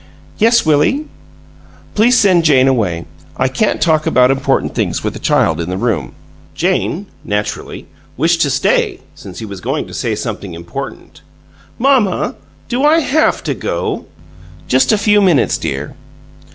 "Yes, Willie?" "Please send Jane away. I can't talk about important things with a child in the room." Jane naturally wished to stay, since he was going to say something important. "Mamma, do I HAF to go?" "Just a few minutes, dear."